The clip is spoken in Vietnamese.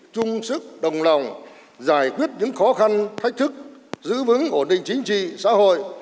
chung sức đồng lòng giải quyết những khó khăn thách thức giữ vững ổn định chính trị xã hội